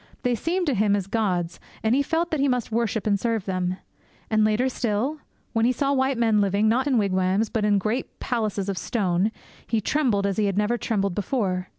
They seemed to him as gods, and he felt that he must worship and serve them. And, later still, when he saw white men living, not in wigwams, but in great palaces of stone, he trembled as he had never trembled before.